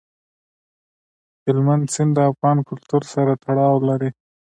هلمند سیند د افغان کلتور سره تړاو لري.